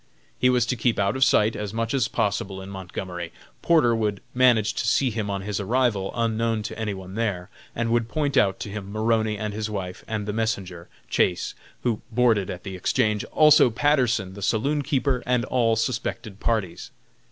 He was to keep out of sight as much as possible in Montgomery. Porter would manage to see him on his arrival, unknown to any one there, and would point out to him Maroney and his wife, and the messenger, Chase, who boarded at the Exchange; also Patterson, the saloon keeper, and all suspected parties.